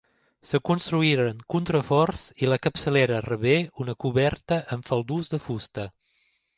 Es construïren contraforts i la capçalera rebé una coberta en faldons de fusta.